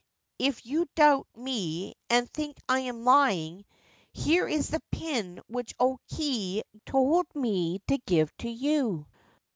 if you doubt me and think I am lying, here is the pin which O Kei told me to give you